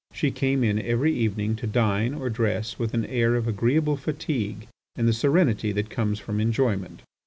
She came in every evening to dine or dress with an air of agreeable fatigue and the serenity that comes from enjoyment.